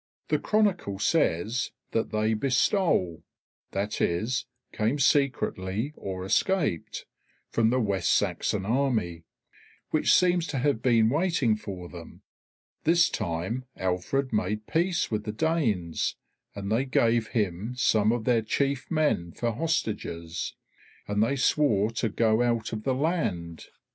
The Chronicle says that they "bestole" that is, came secretly or escaped from the West Saxon army, which seems to have been waiting for them. This time Alfred made peace with the Danes, and they gave him some of their chief men for hostages, and they swore to go out of the land.